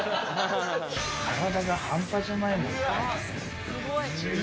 体が半端じゃないもんね。